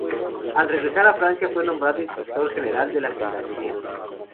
Al regresar a Francia fue nombrado inspector general de la gendarmería.